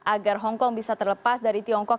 agar hongkong bisa terlepas dari tiongkok